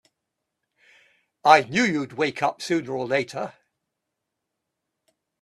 I knew you'd wake up sooner or later!